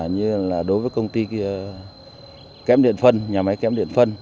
như là đối với công ty kém điện phân nhà máy kém điện phân